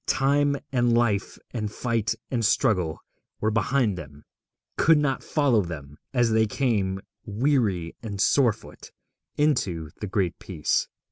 Time and Life and Fight and Struggle were behind them, could not follow them, as they came, weary and footsore, into the Great Peace.